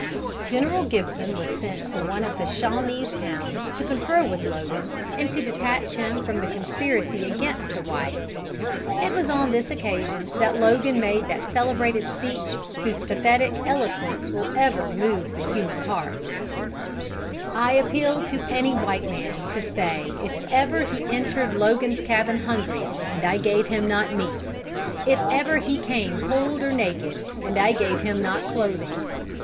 General Gibson was sent to one of the Shawanese towns to confer with Logan and to detach him from the conspiracy against the whites. It was on this occasion that Logan made that celebrated speech whose pathetic eloquence will ever move the human heart: "I appeal to any white man to say if ever he entered Logan's cabin hungry, and I gave him not meat; if ever he came cold or naked and I gave him not clothing.